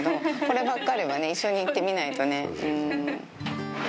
こればっかりはね一緒にいてみないとねうん。